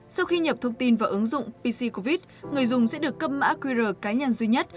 sau khi nhập thông tin vào ứng dụng pc covid người dùng sẽ được cấp mã qr cá nhân duy nhất